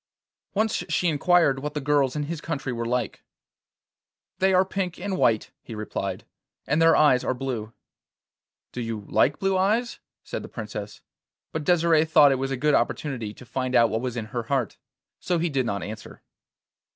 Once she inquired what the girls in his country were like. 'They are pink and white,' he replied, 'and their eyes are blue.' 'Do you like blue eyes?' said the Princess; but Desire thought it was a good opportunity to find out what was in her heart, so he did not answer.